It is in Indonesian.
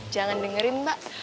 jangan dengerin mbak